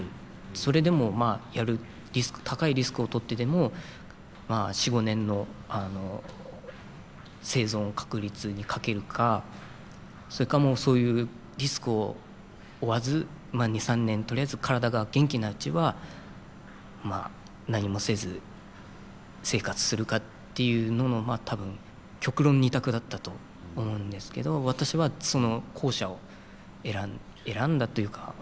それでも高いリスクを取ってでも４５年の生存確率に賭けるかそれかそういうリスクを負わず２３年とりあえず体が元気なうちは何もせず生活するかっていうのの多分極論２択だったと思うんですけど私は後者を選んだというかですかね。